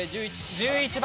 １１番。